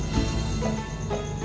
masa lalu adalah akarnya